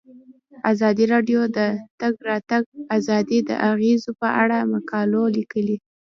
ازادي راډیو د د تګ راتګ ازادي د اغیزو په اړه مقالو لیکلي.